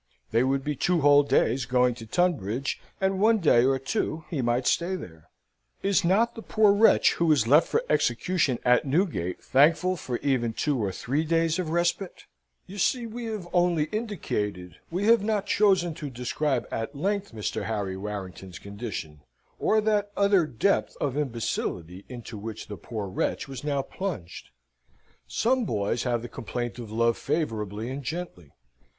They would be two whole days going to Tunbridge, and one day or two he might stay there. Is not the poor wretch who is left for execution at Newgate thankful for even two or three days of respite? You see, we have only indicated, we have not chosen to describe, at length, Mr. Harry Warrington's condition, or that utter depth of imbecility into which the poor young wretch was now plunged. Some boys have the complaint of love favourably and gently.